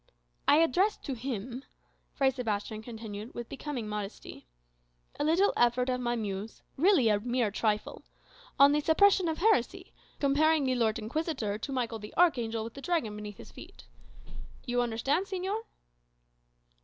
"I addressed to him," Fray Sebastian continued with becoming modesty, "a little effort of my Muse really a mere trifle on the suppression of heresy, comparing the Lord Inquisitor to Michael the archangel, with the dragon beneath his feet. You understand, señor?"